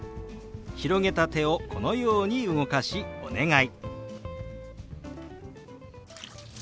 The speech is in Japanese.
広げた手をこのように動かし「お願い」。